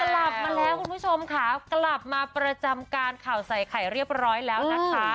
กลับมาแล้วคุณผู้ชมค่ะกลับมาประจำการข่าวใส่ไข่เรียบร้อยแล้วนะคะ